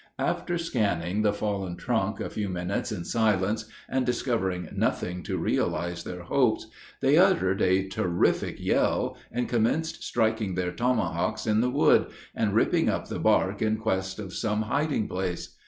After scanning the fallen trunk a few minutes in silence, and discovering nothing to realize their hopes, they uttered a terrific yell, and commenced striking their tomahawks in the wood, and ripping up the bark in quest of some hiding place.